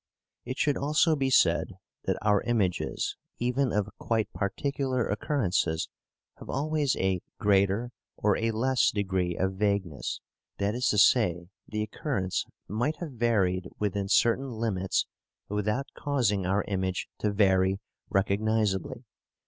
It should also be said that our images even of quite particular occurrences have always a greater or a less degree of vagueness. That is to say, the occurrence might have varied within certain limits without causing our image to vary recognizably.